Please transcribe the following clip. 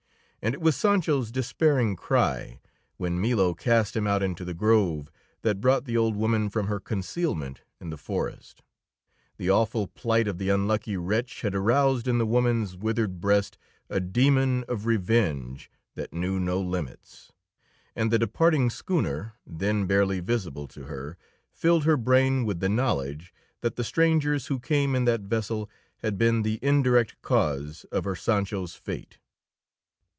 And it was Sancho's despairing cry, when Milo cast him out into the Grove, that brought the old woman from her concealment in the forest. The awful plight of the unlucky wretch had aroused in the woman's withered breast a demon of revenge that knew no limits; and the departing schooner, then barely visible to her, filled her brain with the knowledge that the strangers who came in that vessel had been the indirect cause of her Sancho's fate.